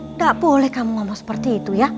nggak boleh kamu ngomong seperti itu ya